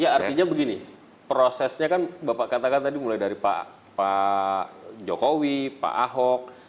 ya artinya begini prosesnya kan bapak katakan tadi mulai dari pak jokowi pak ahok